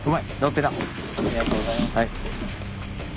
はい。